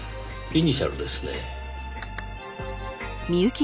イニシャルですね。